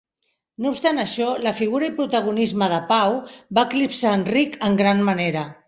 No obstant això, la figura i protagonisme de Pau va eclipsar Enric en gran manera.